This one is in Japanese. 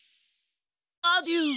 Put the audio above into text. アデュー！